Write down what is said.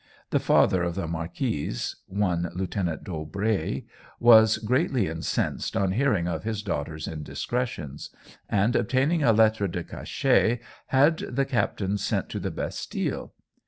The father of the marquise, one Lieutenant Daubrai was greatly incensed on hearing of his daughter's indiscretions, and obtaining a lettre de cachet had the captain sent to the Bastille.